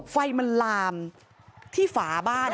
ไฟมันลามที่ฝาบ้าน